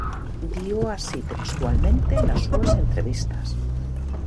Dío así textualmente nas súas entrevistas.